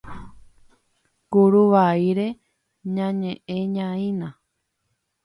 Kuruvaíre ñañe'ẽñaína.